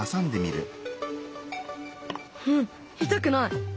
うん痛くない。